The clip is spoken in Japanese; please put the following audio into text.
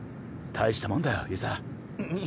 大したもんだよ遊佐。